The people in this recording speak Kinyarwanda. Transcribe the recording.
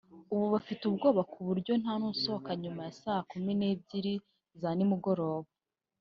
ubu bafite ubwoba ku buryo nta n’usohoka nyuma ya saa kumi n’ebyiri za nimugoroba